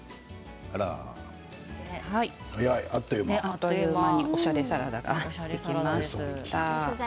あっという間におしゃれサラダができました。